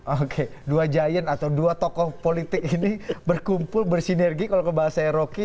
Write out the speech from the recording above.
oke dua jayen atau dua tokoh politik ini berkumpul bersinergi kalau kebahasannya rocky